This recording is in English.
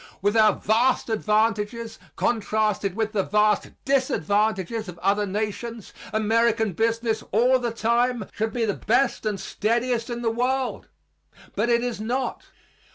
With our vast advantages, contrasted with the vast disadvantages of other nations, American business all the time should be the best and steadiest in the world. But it is not.